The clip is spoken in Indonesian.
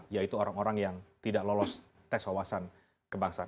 yaitu orang orang yang tidak lolos tes wawasan kebangsaan